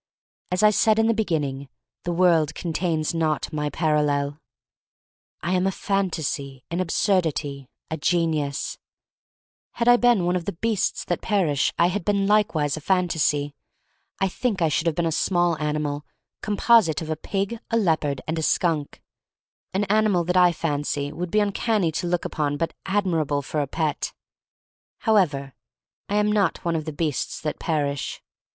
As I said in the beginning, the world con tains not my parallel. I am a fantasy — an absurdity— a genius! Had I been one of the beasts that 282 THE STORY OF MARY MAC LANE 283 perish I had been likewise a fantasy. I think I should have been a small ani mal composite of a pig, a leopard, and a skunk: an animal that I fancy would be uncanny to look upon but admirable for a pet. However, I am not one of the beasts that perish.